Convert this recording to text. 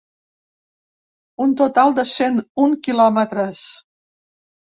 Un total de cent un quilòmetres.